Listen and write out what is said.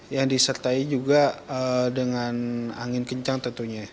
yang disertai juga dengan angin kencang tentunya